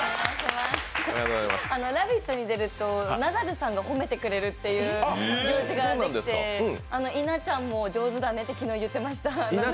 「ラヴィット！」に出るとナダルさんが褒めてくれるっていう行事ができて稲ちゃんも上手だねって昨日、言ってました。